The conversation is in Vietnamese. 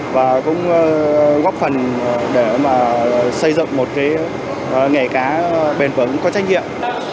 và cũng góp phần để xây dựng một nghề cá bền vững có trách nhiệm